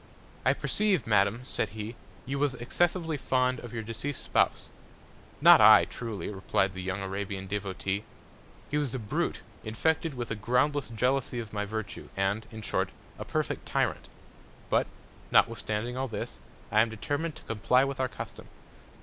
I perceive, Madam, said he, you was excessively fond of your deceased Spouse. Not I truly, reply'd the young Arabian Devotee. He was a Brute, infected with a groundless Jealousy of my Virtue; and, in short, a perfect Tyrant. But, notwithstanding all this, I am determin'd to comply with our Custom.